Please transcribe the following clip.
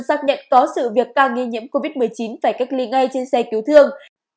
xác nhận có sự việc ca nghi nhiễm covid một mươi chín phải cách ly ngay trên xe cứu thương